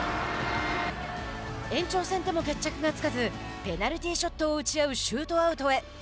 延長戦でも決着がつかずペナルティーショットを打ち合うシュートアウトへ。